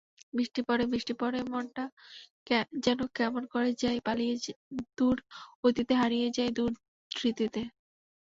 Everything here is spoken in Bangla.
বৃষ্টি পড়ে বৃষ্টি পড়েমনটা যেন কেমন করেযাই পালিয়ে দূর অতীতেহারিয়ে যাই দূর স্মৃতিতে।